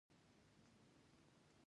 جنوبي سیمو چې د جدي کرښې په اوږدو کې دي.